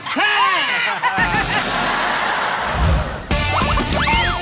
อ๋อปะจอ